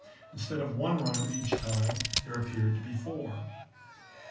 Instead of one runner each time, there appeared to be four.